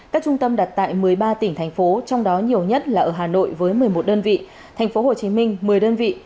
các trung tâm đặt tại một mươi ba tỉnh thành phố trong đó nhiều nhất là ở hà nội với một mươi một đơn vị tp hcm một mươi đơn vị